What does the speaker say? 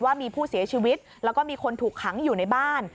ว่ามีผู้เสียชีวิตแล้วก็มีคนถูกขังอยู่ในบ้าน